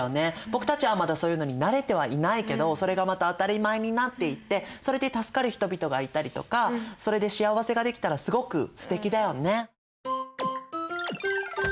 僕たちはまだそういうのに慣れてはいないけどそれがまた当たり前になっていってそれで助かる人々がいたりとかそれで幸せができたらすごくすてきだよね。